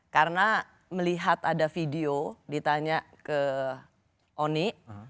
karena melihat ada video ditanya ke oni